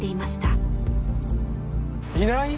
いない？